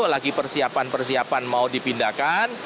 lagi persiapan persiapan mau dipindahkan